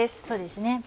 そうですね